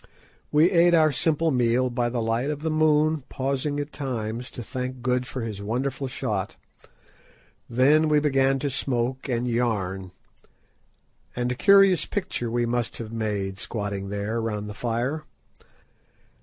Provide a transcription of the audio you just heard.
We ate our simple meal by the light of the moon, pausing at times to thank Good for his wonderful shot; then we began to smoke and yarn, and a curious picture we must have made squatting there round the fire.